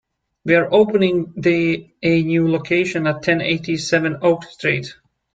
We are opening the a new location at ten eighty-seven Oak Street.